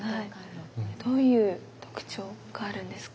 どういう特徴があるんですか？